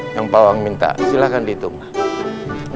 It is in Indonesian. yang pawang minta silahkan dihitung